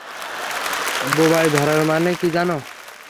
বোবায় ধরার মানে কি জানো?